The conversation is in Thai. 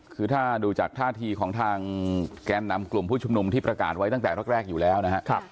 คือถ้าดูจากท่าทีของทางแกนนำกลุ่มผู้ชุมนุมที่ประกาศไว้ตั้งแต่แรกอยู่แล้วนะครับ